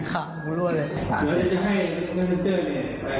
มันก็รับไม่ได้ไม่หมดอยู่ดี